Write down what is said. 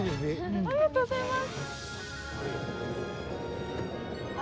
ありがとうございます。